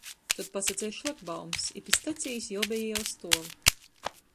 Tod pasaceļ šlakbaums, i pi stacejis jī obeji jau stuov.